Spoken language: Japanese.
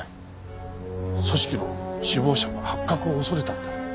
組織の首謀者が発覚を恐れたんだ。